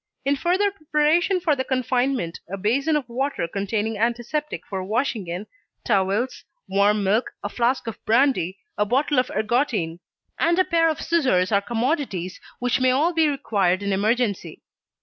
In further preparation for the confinement a basin of water containing antiseptic for washing in, towels, warm milk, a flask of brandy, a bottle of ergotine, and a pair of scissors are commodities which may all be required in emergency.